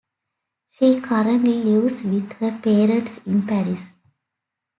She currently lives with her parents in Paris.